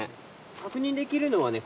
確認できるのはね